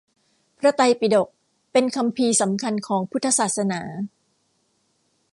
พระไตรปิฎก คือคัมภีร์สำคัญของพุทธศาสนา